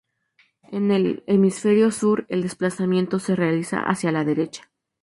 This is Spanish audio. En el hemisferio sur, el desplazamiento se realiza hacia la derecha.